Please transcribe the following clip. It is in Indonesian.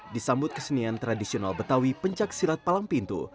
disambut kesenian tradisional betawi pencak silat palang pintu